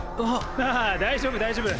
ああ大丈夫大丈夫。